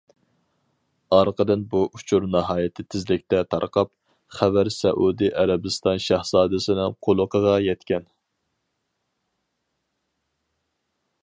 ئارقىدىن بۇ ئۇچۇر ناھايىتى تېزلىكتە تارقاپ، خەۋەر سەئۇدى ئەرەبىستان شاھزادىسىنىڭ قۇلىقىغا يەتكەن.